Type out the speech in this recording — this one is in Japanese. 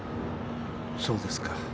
そうですか。